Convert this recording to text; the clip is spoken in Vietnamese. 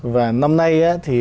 và năm nay